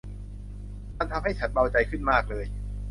มันทำให้ฉันเบาใจขึ้นมากเลย